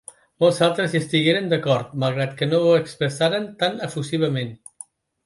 Molts altres hi estigueren d'acord, malgrat que no ho expressaren tan efusivament.